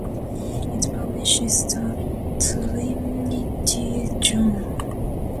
It publishes the "Trinity Journal".